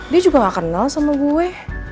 dia juga gak kenal sama gue